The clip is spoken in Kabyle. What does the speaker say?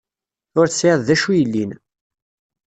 Ur tesɛiḍ d acu yellin.